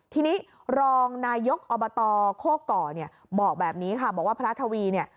ทีนี้รองนายกอบตโคก่อเนี่ยบอกแบบนี้ค่ะบอกว่าพระทวีเนี่ย